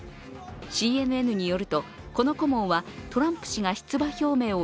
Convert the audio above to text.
ＣＮＮによると、この顧問はトランプ氏が出馬表明を